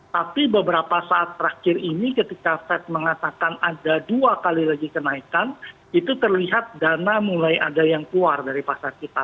tapi beberapa saat terakhir ini ketika fed mengatakan ada dua kali lagi kenaikan itu terlihat dana mulai ada yang keluar dari pasar kita